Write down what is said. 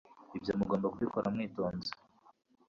ibyo mugomba kubikora mwitonze